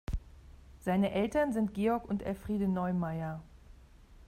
Seine Eltern sind Georg und Elfriede Neumaier.